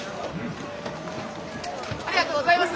ありがとうございます！